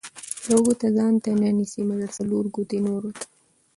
ـ يوه ګوته ځانته نه نيسي، مګر څلور ګوتې نورو ته.